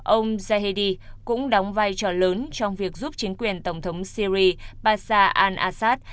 ông zahedi cũng đóng vai trò lớn trong việc giúp chính quyền tổng thống syria bashar al assad